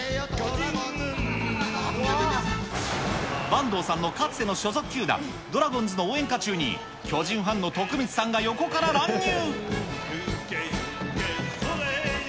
板東さんのかつての所属球団、ドラゴンズの応援歌中に、巨人ファンの徳光さんが横から乱入。